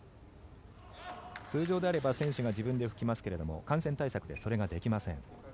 通常であれば選手が自分で拭きますが感染対策でそれができません。